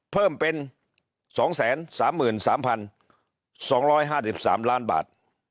เพิ่มเป็น๒๓๓๒๕๓ล้านบาท